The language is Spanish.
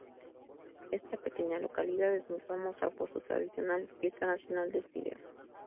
Esta pequeña localidad es muy famosa por su tradicional 'Fiesta Nacional del Fideo'.